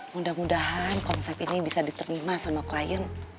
mudah mudahan konsep ini bisa diterima sama klien